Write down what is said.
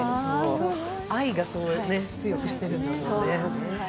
愛が強くしてるのね。